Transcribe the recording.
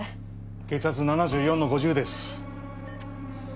血圧７４の５０です